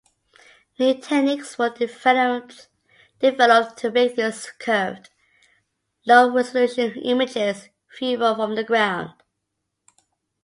New techniques were developed to make these curved, low-resolution images viewable from the ground.